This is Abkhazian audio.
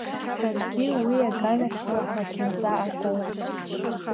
Саргьы уи аганахьала ҳлахьынҵа акоуп.